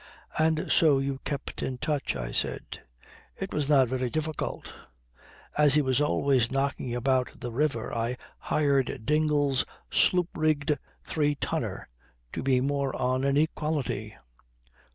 "And so you kept in touch," I said. "It was not so very difficult. As he was always knocking about the river I hired Dingle's sloop rigged three tonner to be more on an equality.